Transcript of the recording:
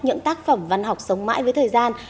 những tác phẩm văn học sống mãi với thời gian